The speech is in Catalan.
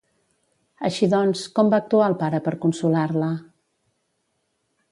Així doncs, com va actuar el pare per consolar-la?